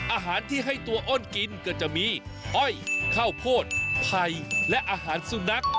อาหารที่ให้ตัวอ้นกินก็จะมีอ้อยข้าวโพดไผ่และอาหารสุนัข